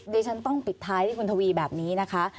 ดิฉันต้องปิดท้ายที่คุณทวีแบบนี้นะคะ